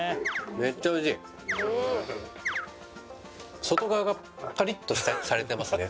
めっちゃおいしい外側がカリッとされてますね